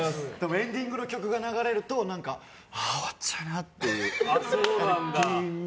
エンディングの曲が流れると何か、ああ終わっちゃうなって。